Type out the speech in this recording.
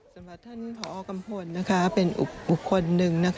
สำหรับท่านผอกัมพลเป็นบุคคลหนึ่ง